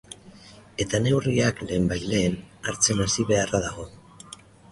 Eta neurriak lehenbailehen hartzen hasi beharra dago.